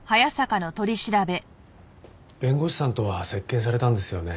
弁護士さんとは接見されたんですよね？